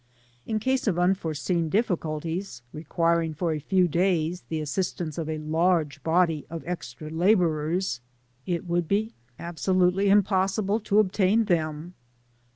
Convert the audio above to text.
In case of unforeseen difficulties requiring for a few days the assistance of a large body of extra labourers, it would be absolutely impossible to obtain them.